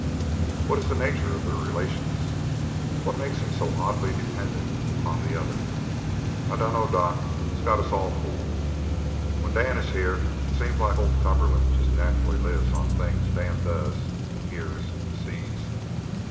"What is the nature of their relations; what makes him so oddly dependent upon the other?" "I dunno, doc. It's got us all fooled. When Dan is here it seems like old Cumberland jest nacherally lives on the things Dan does and hears and sees.